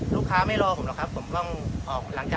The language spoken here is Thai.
ลูกค้าไม่รอผมหรอกครับผมต้องออก